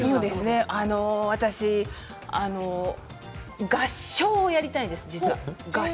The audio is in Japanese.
私合唱をやりたいんです、実は。